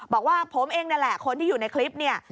บอกว่าผมเองนั่นแหละคนที่อยู่ในคลิปเนี่ย